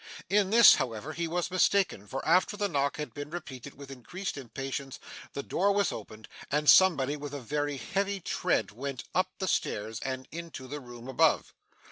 In this, however, he was mistaken; for, after the knock had been repeated with increased impatience, the door was opened, and somebody with a very heavy tread went up the stairs and into the room above.